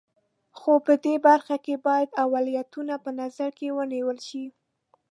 خو په دې برخه کې باید اولویتونه په نظر کې ونیول شي.